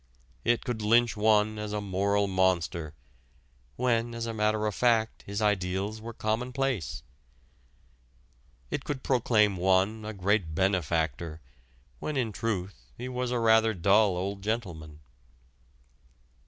It could lynch one as a moral monster, when as a matter of fact his ideals were commonplace; it could proclaim one a great benefactor when in truth he was a rather dull old gentleman.